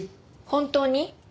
本当に？